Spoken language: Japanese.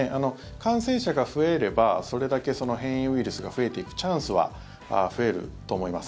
感染者が増えればそれだけ変異ウイルスが増えていくチャンスは増えると思います。